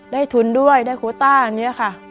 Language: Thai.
ได้ทุนด้วยได้โคต้าอย่างนี้อะค่ะ